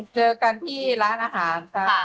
เจอกันที่ร้านอาหารค่ะ